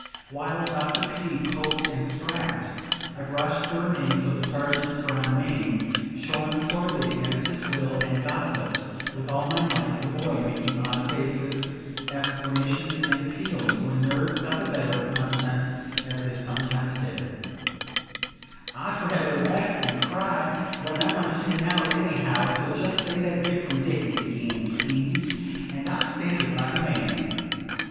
While Dr. P. poked and strapped, I brushed the remains of the Sergeant's brown mane shorn sorely against his will and gossiped with all my might, the boy making odd faces, exclamations, and appeals, when nerves got the better of nonsense, as they sometimes did: "I'd rather laugh than cry, when I must sing out anyhow, so just say that bit from Dickens again, please, and I'll stand it like a man."